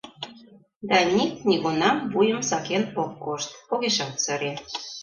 Даник нигунам вуйым сакен ок кошт, огешат сыре.